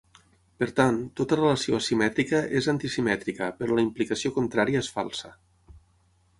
Per tant, tota relació asimètrica és antisimètrica però la implicació contrària és falsa.